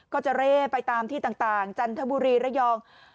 ก็จะเร่ไปตามที่ต่างจันทบุรีระยอง